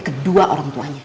kedua orang cuanya